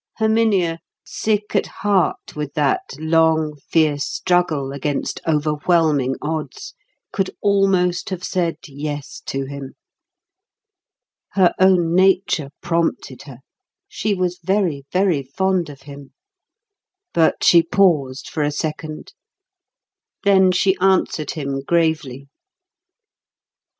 Herminia, sick at heart with that long, fierce struggle against overwhelming odds, could almost have said yes to him. Her own nature prompted her; she was very, very fond of him. But she paused for a second. Then she answered him gravely.